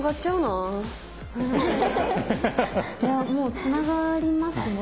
いやもうつながりますね。